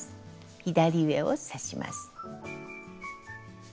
左上を刺します。